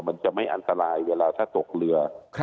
มันจะไม่อันตรายเวลาถ้าตกเรือ